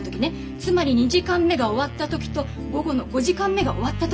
つまり２時間目が終わった時と午後の５時間目が終わった時。